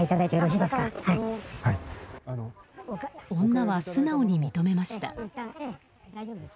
女は素直に認めました。